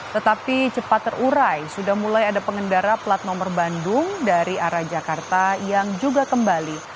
tetapi cepat terurai sudah mulai ada pengendara plat nomor bandung dari arah jakarta yang juga kembali